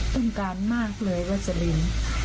ต้องการมากเลยวัสลิน